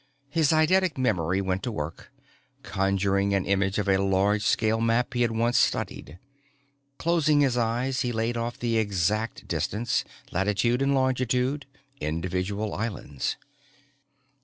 His eidetic memory went to work, conjuring an image of a large scale map he had once studied. Closing his eyes he laid off the exact distance, latitude and longitude, individual islands.